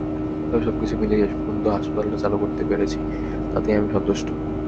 তবে সবকিছু মিলিয়ে শেষ পর্যন্ত হাসপাতালটা চালু করতে পেরেছি, তাতেই আমি সন্তুষ্ট।